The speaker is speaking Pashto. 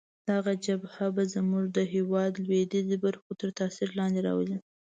دغه جبهه به زموږ د هیواد لویدیځې برخې تر تاثیر لاندې راولي.